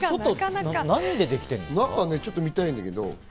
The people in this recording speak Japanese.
中、ちょっと見たいんだけど。